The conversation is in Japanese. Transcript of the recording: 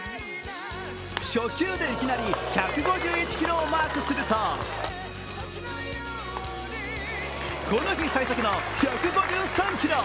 初球でいきなり１５１キロをマークするとこの日最速の１５３キロ。